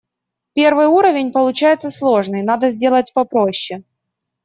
Первый уровень получается сложный, надо сделать попроще.